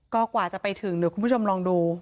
ก็กว่าจะไปถึงหรือคุณผู้ชมลองดู